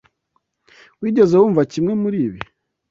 Wigeze wumva kimwe muri ibi?